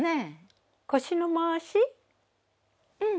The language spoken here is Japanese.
うん。